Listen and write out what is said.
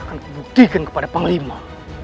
akan buktikan kepada panglima